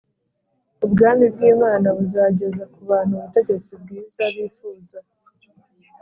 Ubwami bw’Imana buzageza ku bantu ubutegetsi bwiza bifuza